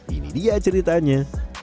ini dia ceritanya